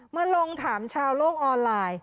มาลงถามชาวโลกออนไลน์